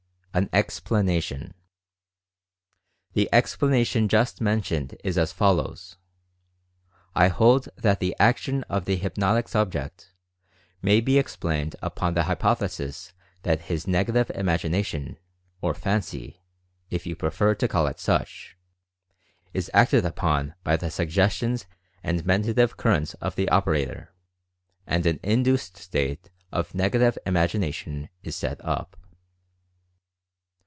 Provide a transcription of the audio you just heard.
AN EXPLANATION. The explanation just mentioned is as follows: I hold that the action of the "hypnotic subject" may be explained upon the hypothesis that his "Negative Imagination," or Fancy, if you prefer to call it such, is acted upon by the Suggestions and Mentative Cur rents of the operator, and an induced state of Nega tive Imagination is set up.